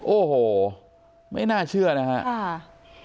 โอ้โหไม่น่าเชื่อนะครับ